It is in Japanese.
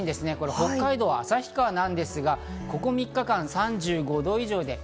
北海道旭川ですが、ここ３日間、３５度以上。